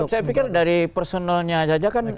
saya pikir dari personalnya saja kan